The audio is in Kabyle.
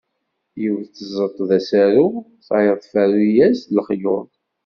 Yiwet tẓeṭṭ-d asaru, tayeḍ tferru-as-d lexyuḍ.